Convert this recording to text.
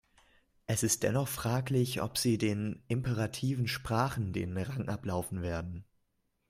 Es ist dennoch fraglich, ob sie den imperativen Sprachen den Rang ablaufen werden.